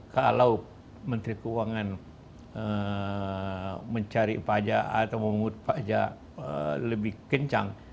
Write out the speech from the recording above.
kalau menteri keuangan mencari pajak atau memungut pajak lebih kencang